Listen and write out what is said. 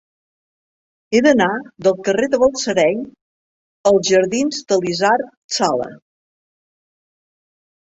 He d'anar del carrer de Balsareny als jardins d'Elisard Sala.